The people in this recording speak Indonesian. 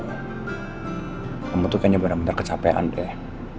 kamu tuh kayaknya benar benar kecapean deh